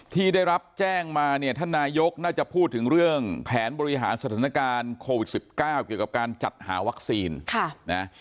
ที่ได้รับแจ้งมาเนี่ยท่านนายกน่าจะพูดถึงเรื่องแผนบริหารสถานการณ์โควิด๑๙เกี่ยวกับการจัดหาวัคซีนค่ะนะ